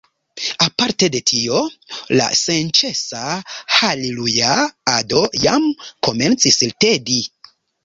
Aparte de tio la senĉesa haleluja-ado jam komencis tedi.